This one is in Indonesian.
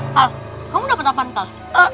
hal kamu dapet apaan